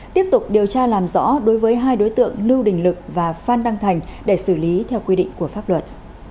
tiếp tục điều tra làm rõ đối với hai đối tượng lưu đình lực và phan đăng thành để xử lý theo quy định của pháp luật